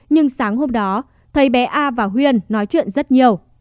nhưng sáng hôm đó thấy bé a và huyên nói chuyện rất nhiều